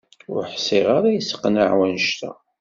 Ur ḥsiɣ ara yesseqnaɛ wanect-a.